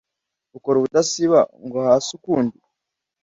ukora ubudasiba ngo hase ukundi?